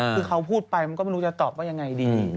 คือเขาพูดไปมันก็ไม่รู้จะตอบว่ายังไงดี